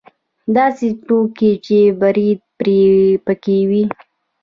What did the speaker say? داسې ټوکې چې برید پکې وي.